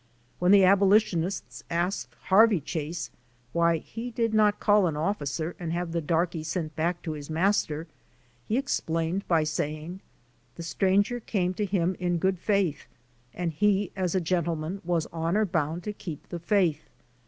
When the abolitionists asked Harvey Chase why he did not call an officer and have the darkey sent back to his master he explained by saying, ''the stranger came to him in good faith and he, as a gentleman, was honor bound to keep the faith.''